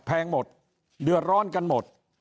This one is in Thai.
แพงหมดเดือดร้อนกันหมด